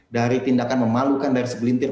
dari tindakan memalukan dari segelintir